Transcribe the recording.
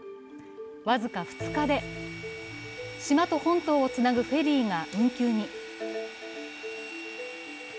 僅か２日で、島と本島をつなぐフェリーが運休に。